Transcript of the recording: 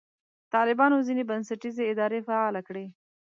طالبانو ځینې بنسټیزې ادارې فعاله کړې.